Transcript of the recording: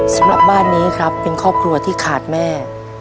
สำหรับบ้านนี้ครับเป็นครอบครัวที่ขาดแม่